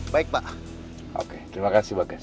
baik pak oke terima kasih banyak